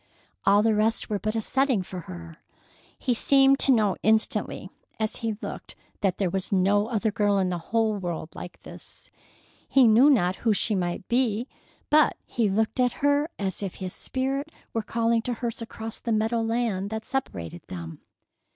All the rest were but a setting for her. He seemed to know instantly as he looked that there was no other girl in the world like this. He knew not who she might be, but he looked at her as if his spirit were calling to hers across the meadow land that separated them.